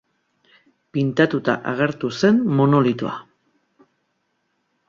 Pintatuta agertu zen monolitoa.